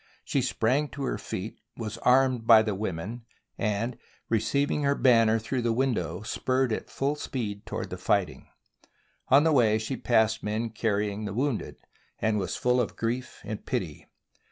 She sprang to her feet, was armed by the women, and receiving her banner through the win dow spurred at full speed toward the fighting. On the way she passed men carrying wounded, and was full of grief and pity.